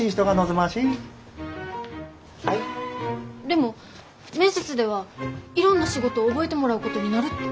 でも面接ではいろんな仕事を覚えてもらうことになるって。